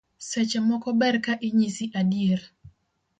Seche moko ber ka inyisi adier